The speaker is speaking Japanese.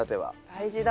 大事だ。